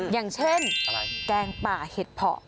อย่างเช่นแกงป่าเห็ดเพาะ